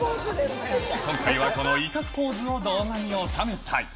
今回はこの威嚇ポーズを動画に収めたい。